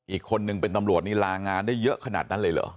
อีกคนนึงเป็นตำรวจนี่ลางานได้เยอะขนาดนั้นเลยเหรอ